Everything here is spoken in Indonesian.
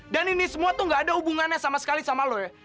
dan ini semua tuh gak ada hubungannya sama sekali sama lu ya